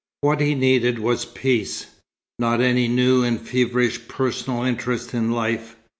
What he needed was peace, not any new and feverish personal interest in life.